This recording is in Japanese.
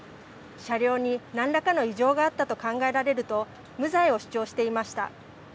車両に何らかの異常があったと考えられると無罪を主張していました。